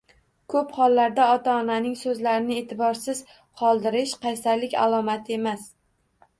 Ko‘p hollarda ota-onaning so‘zlarini e’tiborsiz qoldirish – qaysarlik alomati emas